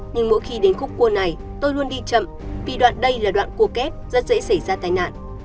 nhưng mỗi khi đến khúc cua này tôi luôn đi chậm vì đoạn đây là đoạn cua kép rất dễ xảy ra tai nạn